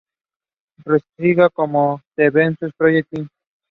The current principal of the college is Md.